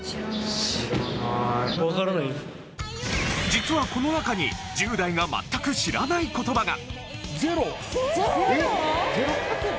実はこの中に１０代が全く知らない言葉が。